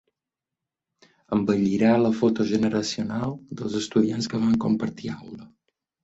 Embellirà la foto generacional dels estudiants que vam compartir aula.